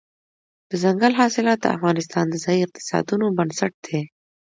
دځنګل حاصلات د افغانستان د ځایي اقتصادونو بنسټ دی.